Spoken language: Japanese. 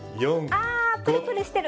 あプルプルしてる。